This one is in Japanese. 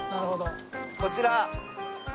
こちら。